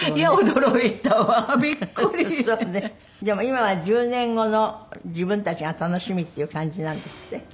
でも今は１０年後の自分たちが楽しみっていう感じなんですって？